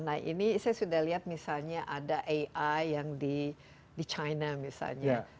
nah ini saya sudah lihat misalnya ada ai yang di china misalnya